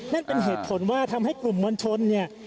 นั่นเป็นเหตุผลว่าทำให้กลุ่มมวลชนเนี่ย